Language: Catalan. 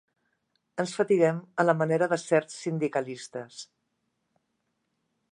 Ens fatiguem a la manera de certs sindicalistes.